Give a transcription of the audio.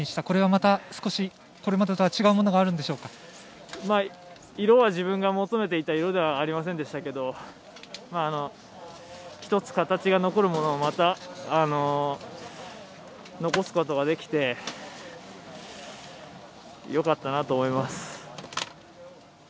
これはまた少しこれまでとは違うものが色は自分が求めていた色ではありませんでしたけども１つ形が残るものをまた残すことができて良かったなと思います。